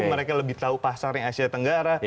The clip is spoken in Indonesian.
mereka lebih tahu pasarnya asia tenggara